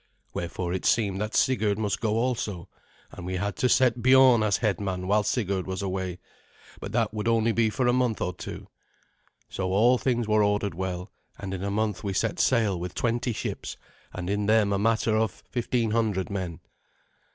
Wherefore it seemed that Sigurd must go also, and we had to set Biorn as head man while Sigurd was away; but that would only be for a month or two. So all things were ordered well, and in a month we set sail with twenty ships, and in them a matter of fifteen hundred men.